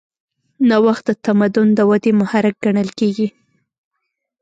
نوښت د تمدن د ودې محرک ګڼل کېږي.